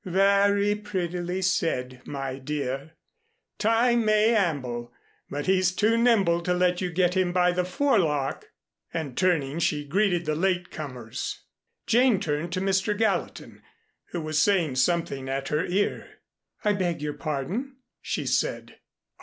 "Very prettily said, my dear. Time may amble, but he's too nimble to let you get him by the forelock." And turning she greeted the late comers. Jane turned to Mr. Gallatin, who was saying something at her ear. "I beg your pardon," she said.